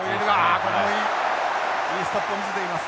これもいいストップを見せています。